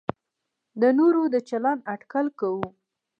د نورو د چلند اټکل کوو.